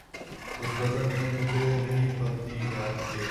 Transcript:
اس بزم میں مجھے نہیں بنتی حیا کیے